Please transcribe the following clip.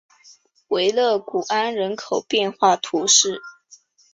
维勒古安人口变化图示